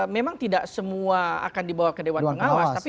memang tidak semua akan dibawa ke dewan pengawas